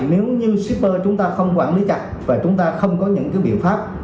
nếu như shipper chúng ta không quản lý chặt và chúng ta không có những biện pháp